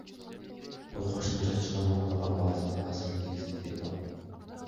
Бул кошумча чыгым, ал товар баасына таасирин тийгизет, — дейт ал.